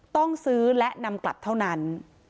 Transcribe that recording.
ต้องซื้อและนำกลับเท่านั้น